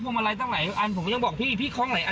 มาลัยตั้งหลายอันผมก็ยังบอกพี่พี่คล้องหลายอัน